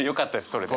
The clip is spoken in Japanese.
それで。